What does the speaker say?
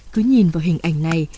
cứ nhìn vào hình ảnh này